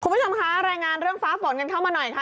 คุณผู้ชมคะรายงานเรื่องฟ้าฝนกันเข้ามาหน่อยค่ะ